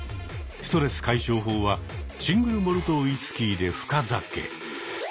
ストレス解消法はシングルモルトウイスキーで深酒。